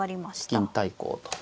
銀対抗と。